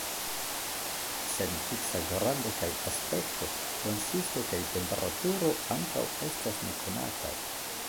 Sen fiksa grando kaj aspekto, konsisto kaj temperaturo ankaŭ estas nekonataj.